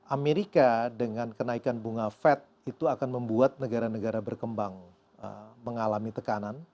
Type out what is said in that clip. amerika dengan kenaikan bunga fed itu akan membuat negara negara berkembang mengalami tekanan